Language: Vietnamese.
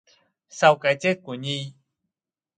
Sau cái chết của Nhi